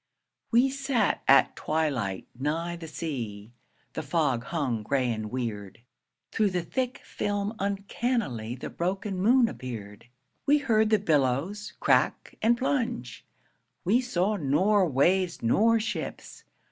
We sat at twilight nigh the sea, The fog hung gray and weird. Through the thick film uncannily The broken moon appeared. We heard the billows crack and plunge, We saw nor waves nor ships.